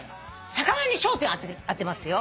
魚に焦点を当てますよ。